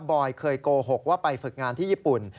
อยเคยโกหกว่าไปฝึกงานที่ญี่ปุ่น